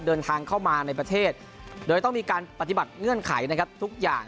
เดินทางเข้ามาในประเทศโดยต้องมีการปฏิบัติเงื่อนไขนะครับทุกอย่าง